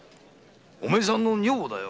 お前さんの女房だよ。